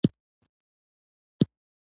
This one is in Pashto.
احمدشاه بابا به له خپلو سرتېرو سره مهربان و.